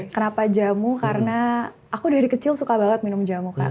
kenapa jamu karena aku dari kecil suka banget minum jamu kak